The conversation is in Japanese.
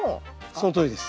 そのとおりです。